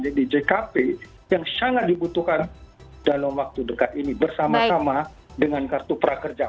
jadi jkp yang sangat dibutuhkan dalam waktu dekat ini bersama sama dengan kartu prakerja